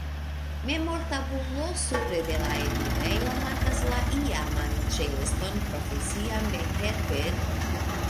Memortabulo supre de la enirejo markas la iaman ĉeeston profesian de Herder.